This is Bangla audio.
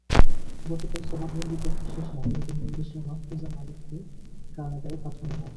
গতকাল জবানবন্দি গ্রহণ শেষে আদালতের নির্দেশে মাহফুজা মালেককে কারাগারে পাঠানো হয়।